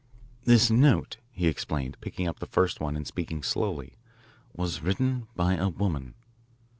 "This note," he explained, picking up the first one and speaking slowly, "was written by a woman."